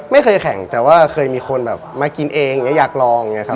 ไม่เคยแข็งแต่ว่าเคยมีคนมากินเองอยากลอง